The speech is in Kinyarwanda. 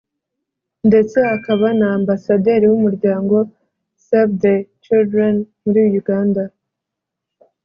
ndetse akaba na Ambasaderi w'umuryango Save the Children muri Uganda